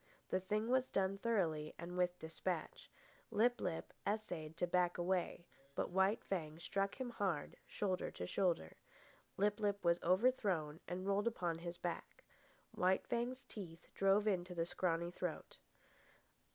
The thing was done thoroughly and with despatch. Lip lip essayed to back away, but White Fang struck him hard, shoulder to shoulder. Lip lip was overthrown and rolled upon his back. White Fang's teeth drove into the scrawny throat.